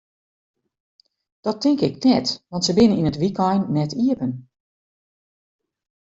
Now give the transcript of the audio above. Dat tink ik net, want se binne yn it wykein net iepen.